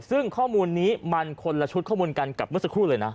ซึ่งข้อมูลนี้มันคนละชุดข้อมูลกันกับเมื่อสักครู่เลยนะ